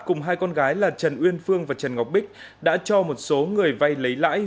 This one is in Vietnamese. cùng hai con gái là trần uyên phương và trần ngọc bích đã cho một số người vay lấy lãi